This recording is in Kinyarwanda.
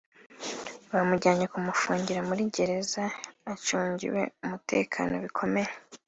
bamujyanye kumufungira muri Gereza acungiwe umutekano bikomeye